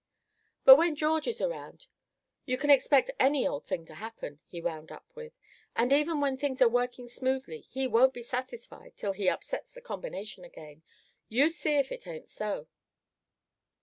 "But when George is around, you c'n expect any old thing to happen," he wound up with, "and even when things are working smoothly, he won't be satisfied till he upsets the combination again, you see if it ain't so."